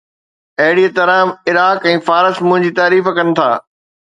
اهڙيءَ طرح عراق ۽ فارس منهنجي تعريف ڪن ٿا